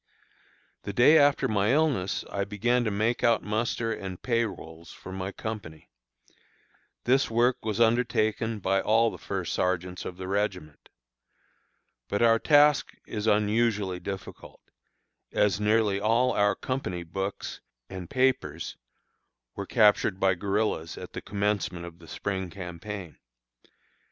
The day after my illness I began to make out muster and pay rolls for my company. This work was undertaken by all the first sergeants of the regiment. But our task is unusually difficult, as nearly all our company books and papers were captured by guerillas at the commencement of the spring campaign.